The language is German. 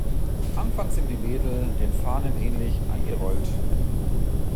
Anfangs sind die Wedel, den Farnen ähnlich, eingerollt.